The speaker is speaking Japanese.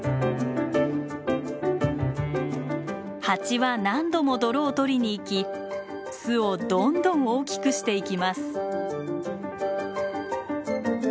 ハチは何度も泥を取りにいき巣をどんどん大きくしていきます。